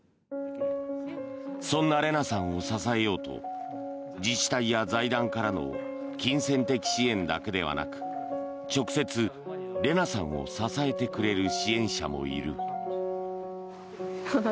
そんなレナさんを支えようと自治体や財団からの金銭的支援だけではなく直接、レナさんを支えてくれる支援者もいる。